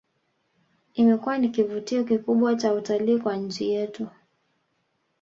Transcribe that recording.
Imekuwa ni kivutio kikubwa cha utalii kwa nchi yetu